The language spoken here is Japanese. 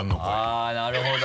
あぁなるほど。